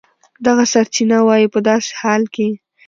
دغه سرچینه وایي په داسې حال کې